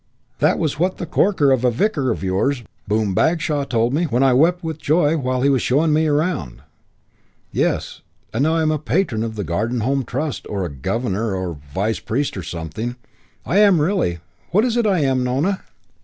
That was what that corker of a vicar of yours, Boom Bagshaw, told me I was when I wept with joy while he was showing me round. Yes, and now I'm a patron of the Garden Home Trust or a governor or a vice priest or something. I am really. What is it I am, Nona?"